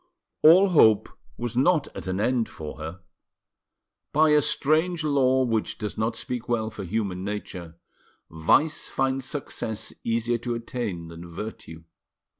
All hope was not at an end for her. By a strange law which does not speak well for human nature, vice finds success easier to attain than virtue.